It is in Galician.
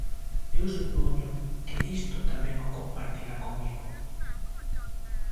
Eu supoño que isto tamén o compartirá comigo.